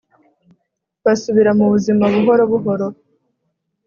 basubira mu buzima buhoro buhoro